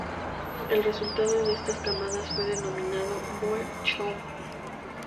El resultado de estas camadas fue denominado "Wolf-Chow".